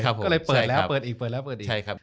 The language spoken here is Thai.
ก็เลยเปิดแล้วเปิดอีกเปิดแล้วเปิดอีกใช่ครับ